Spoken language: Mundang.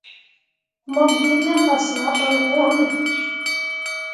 Mo gi ne fasah ɓal ŋwǝǝre.